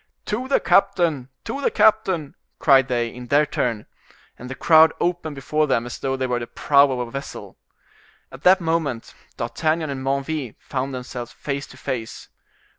"To the captain, to the captain!" cried they, in their turn. And the crowd opened before them as though before the prow of a vessel. At that moment D'Artagnan and Menneville found themselves face to face.